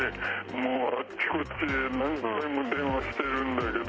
もうあっちこっち、何回も電話してるんだけど。